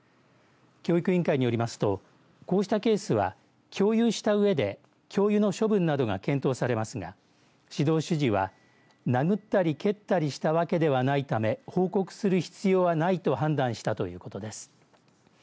教育委員会によりますとこうしたケースは共有したうえで教諭の処分などが検討されますが指導主事は、殴ったり蹴ったりしたわけではないため報告する必要はないと判断したということです。